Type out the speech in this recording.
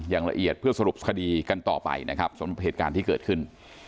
อย่างละเอียดเพื่อสรุปคดีกันต่อไปนะครับสำหรับเหตุการณ์ที่เกิดขึ้น